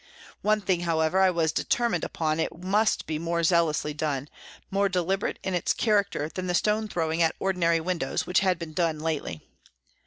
One thing, however, I was de termined upon it must be more zealously done, more deliberate in its character than the stone throwing at ordinary windows, which had been done lately.